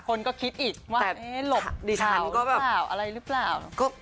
คุณก็คิดอีกว่าหลบเผ่าอะไรรึเปล่า